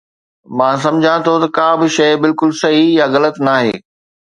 مان سمجهان ٿو ته ڪا به شيء بلڪل صحيح يا غلط ناهي